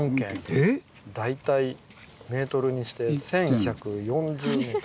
えっ⁉大体メートルにして１，１４０ｍ。